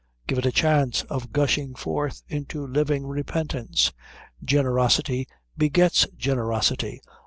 Give it a chance of gushing forth into living repentance. Generosity begets generosity.